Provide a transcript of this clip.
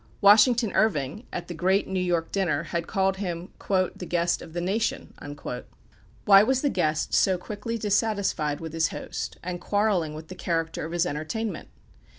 Washington Irving, at the great New York dinner, had called him "the guest of the nation." Why was the guest so quickly dissatisfied with his host, and quarrelling with the character of his entertainment?